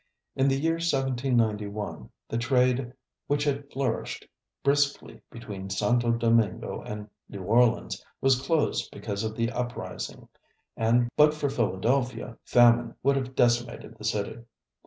In the year 1791, the trade, which had flourished briskly between Santo Domingo and New Orleans, was closed because of the uprising, and but for Philadelphia, famine would have decimated the city.